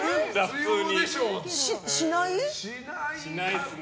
しないですね。